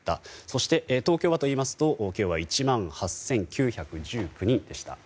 そして、東京はといいますと今日は１万８９１９人でした。